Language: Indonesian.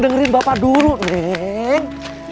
dengerin bapak dulu neng